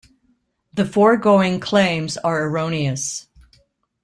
The foregoing claims are erroneous.